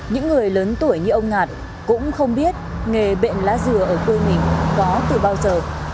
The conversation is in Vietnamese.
những người lớn tuổi như ông ngạt cũng không biết nghề bệnh lá dừa ở quê mình có từ bao giờ